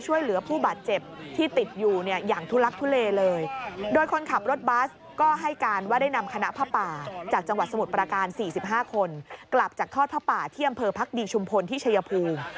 จากทอดพระป่าเที่ยมเผอร์พักดีชุมพลที่เฉยภูมิ